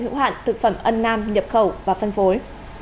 hữu hạn thực phẩm ân nam nhập khẩu và phân phối